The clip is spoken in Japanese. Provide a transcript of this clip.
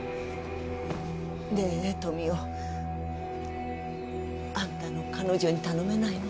ねえ富生あんたの彼女に頼めないの？